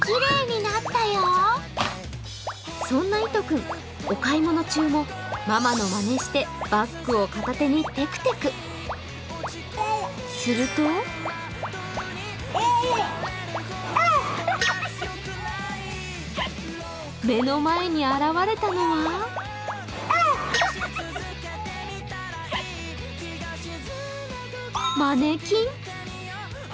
そんないと君、お買い物中もママのまねしてバッグを片手にてくてく、すると目の前に現れたのはマネキン。